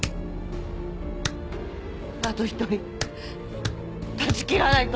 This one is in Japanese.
あと１人断ち切らないと！